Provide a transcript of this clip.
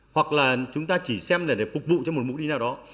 hoặc là chúng ta chỉ xem là để phục vụ cho một mục đích nào đó